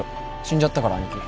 死んじゃったから兄貴。